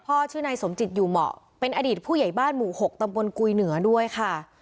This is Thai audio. ชื่อนายสมจิตอยู่เหมาะเป็นอดีตผู้ใหญ่บ้านหมู่๖ตำบลกุยเหนือด้วยค่ะ